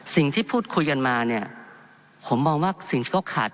สิ่งที่พูดคุยกันมาเนี่ยผมมองว่าสิ่งที่เขาขาด